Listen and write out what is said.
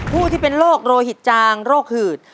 ผู้ที่เป็นโรคโรหิตจางโรคหืด